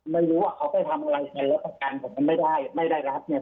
ไม่รู้ว่าเขาไปทำอะไรเงินแล้วประกันผมมันไม่ได้ไม่ได้รับเนี่ย